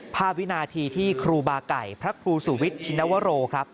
วินาทีที่ครูบาไก่พระครูสุวิทย์ชินวโรครับ